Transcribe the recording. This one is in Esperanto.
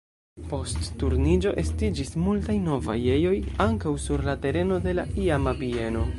Post Turniĝo estiĝis multaj novaj ejoj, ankaŭ sur la tereno de la iama bieno.